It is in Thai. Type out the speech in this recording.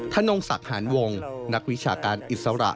นงศักดิ์หารวงนักวิชาการอิสระ